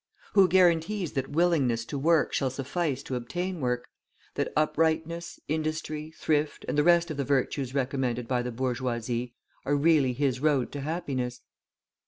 Who guarantees that willingness to work shall suffice to obtain work, that uprightness, industry, thrift, and the rest of the virtues recommended by the bourgeoisie, are really his road to happiness?